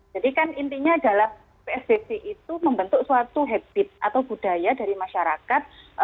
jadi kan intinya dalam psdb itu membentuk suatu hektik atau budaya dari masyarakat